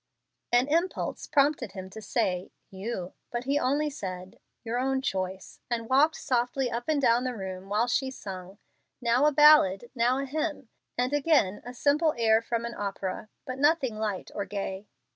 An impulse prompted him to say "You," but he only said, "Your own choice," and walked softly up and down the room while she sung, now a ballad, now a hymn, and again a simple air from an opera, but nothing light or gay.